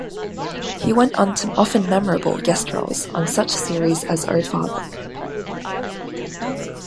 He went on to often-memorable guest roles on such series as Oh Father!